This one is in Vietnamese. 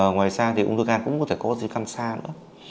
ngoài ra thì ung thư gan cũng có thể có di căn xa nữa